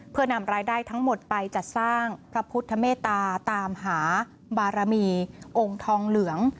เพื่อนำรายได้ทั้งหมดไปจัดสร้างพระพุทธเมตตาตามหาบารมีองค์ทองเหลือง